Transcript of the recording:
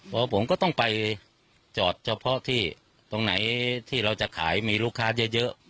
เพราะผมก็ต้องไปจอดเฉพาะที่ตรงไหนที่เราจะขายมีลูกค้าเยอะ